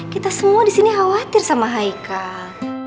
kita semua disini khawatir sama haikal